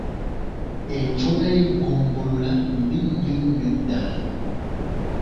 Enfuna y'eggombolola mbi nnyo nnyo ddala.